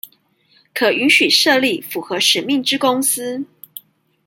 可允許設立符合使命之公司